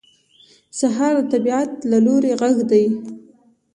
سهار د طبیعت له لوري غږ دی.